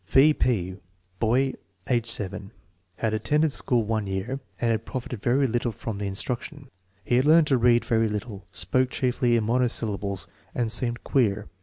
V. P. Boy, age 7. Had attended school one year and had profited very little from the instruction. He had learned to read very little, spoke chiefly in monosyllables, and seemed " queer."